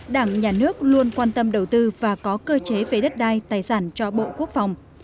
đảng nhà nước luôn quan tâm đầu tư và có cơ chế về đất đai tài sản cho bộ quốc phòng